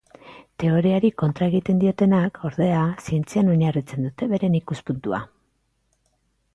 Teoriari kontra egiten diotenak, ordea, zientzian oinarritzen dute beren ikuspuntua.